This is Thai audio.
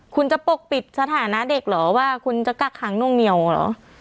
คุณจะปกปิดสถานะเด็กเหรอว่าคุณจะกักขังนวงเหนียวเหรอ